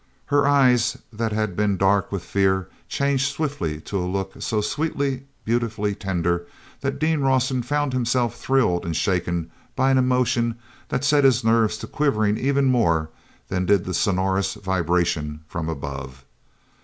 Her eyes that had been dark with fear changed swiftly to a look so sweetly, beautifully tender that Dean Rawson found himself thrilled and shaken by an emotion that set his nerves to quivering even more than did the sonorous vibration from above.